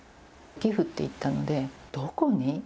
寄付って言ったので、どこに？